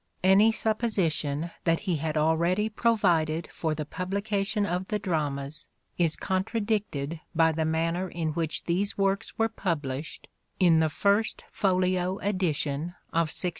Any supposition that he had already provided for the publication of the dramas is contradicted by the manner in which these works were published in the First Folio edition of 1623.